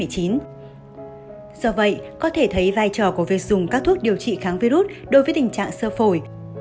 do vậy có thể thấy vai trò của việc dùng các thuốc điều trị kháng virus đối với tình trạng sơ phổi